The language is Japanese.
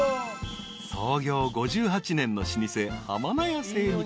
［創業５８年の老舗］